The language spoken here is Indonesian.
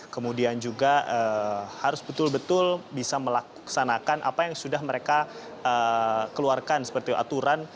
kemudian juga harus betul betul bisa melaksanakan apa yang sudah mereka keluarkan seperti aturan